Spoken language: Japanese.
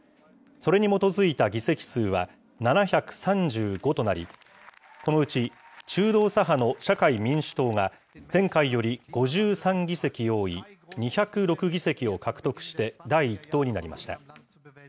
それに基づいた議席数は７３５となり、このうち、中道左派の社会民主党が、前回より５３議席多い２０６議席を獲得して第１党になりました。